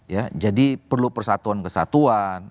ya jadi perlu persatuan kesatuan